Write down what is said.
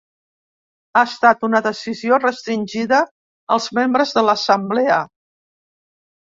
Ha estat una decisió restringida als membres de l'assemblea.